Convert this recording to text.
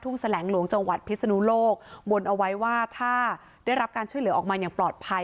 แสลงหลวงจังหวัดพิศนุโลกบนเอาไว้ว่าถ้าได้รับการช่วยเหลือออกมาอย่างปลอดภัย